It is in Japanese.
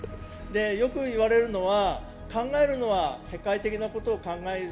よく言われるのは考えるのは世界的なことを考える。